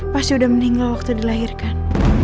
pasti udah meninggal waktu dilahirkan